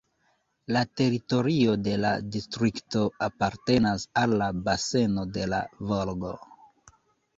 La teritorio de la distrikto apartenas al la baseno de la Volgo.